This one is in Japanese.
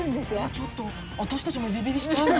ちょっと私たちもビビビしたいな。